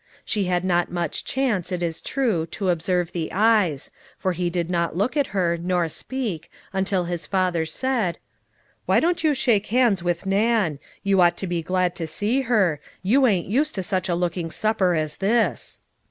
She had not much chance, it is true, to observe the eyes ; for he did not look at her, nor speak, until his father said :" Why don't you shake hands with Nan ? You ought to be glad to see her. You ain't used to such a looking supper as this."